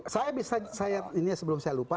saya bisa ini sebelum saya lupa